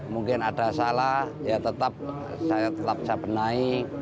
mungkin ada salah ya tetap saya tetap saya benahi